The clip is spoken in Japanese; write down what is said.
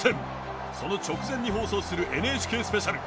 その直前に放送するＮＨＫスペシャル。